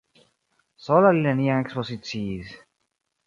Sola li neniam ekspoziciis.